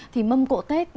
thì mâm cộ tết